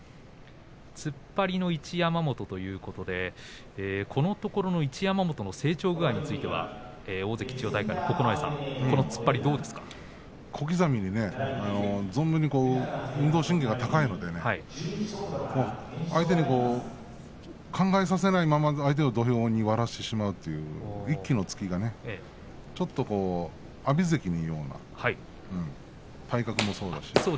突っ張りの一山本ということでこのところの一山本の成長具合については、大関千代大海の九重さん小刻みに存分に運動神経が高いので相手に考えさせないまま相手に土俵を割らせてしまうという一気の突きがちょっと阿炎関のような体格もそうだし。